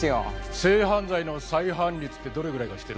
性犯罪の再犯率ってどれぐらいか知ってるか？